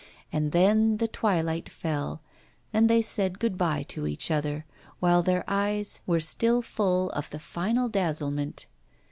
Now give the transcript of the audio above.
And then the twilight fell, and they said good bye to each other, while their eyes were still full of the final dazzlement.